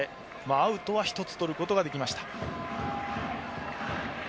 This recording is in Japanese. アウトは１つとることができました。